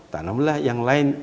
tanamlah yang lain